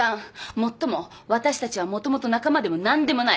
もっとも私たちはもともと仲間でも何でもない。